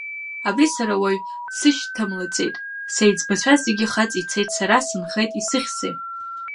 Абри сара уаҩ дсышьҭамлаӡеит, сеиҵбацәа зегьы хаҵа ицеит, сара сынхеит, исыхьзеи?